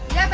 iya pak rt